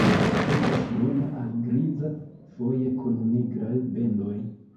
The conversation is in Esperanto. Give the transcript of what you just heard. Estas bruna al griza, foje kun nigraj bendoj.